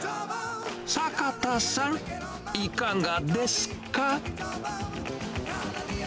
坂田さん、いかがですか？